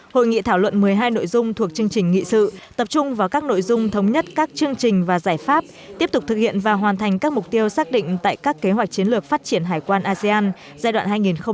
hội nghị thảo luận một mươi hai nội dung thuộc chương trình nghị sự tập trung vào các nội dung thống nhất các chương trình và giải pháp tiếp tục thực hiện và hoàn thành các mục tiêu xác định tại các kế hoạch chiến lược phát triển hải quan asean giai đoạn hai nghìn hai mươi hai hai nghìn hai mươi năm